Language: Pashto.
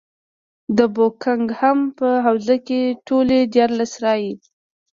د بوکنګهم په حوزه کې ټولې دیارلس رایې.